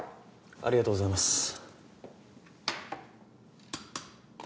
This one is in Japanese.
ありがとうございます。